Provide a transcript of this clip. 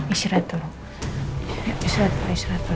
istirahat dulu istirahat dulu istirahat dulu